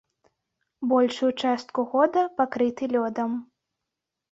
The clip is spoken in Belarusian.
Большую частку года пакрыты лёдам.